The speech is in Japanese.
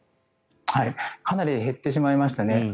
かなり減ってしまいましたね。